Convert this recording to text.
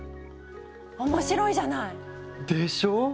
面白いじゃない！でしょう？